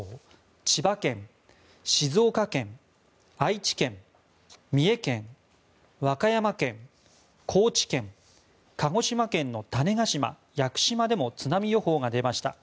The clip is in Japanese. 千葉県、静岡県、愛知県三重県、和歌山県、高知県鹿児島県の種子島・屋久島でも津波予報が出ました。